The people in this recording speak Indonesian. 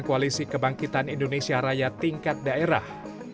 koalisi kebangkitan indonesia raya tingkat daerah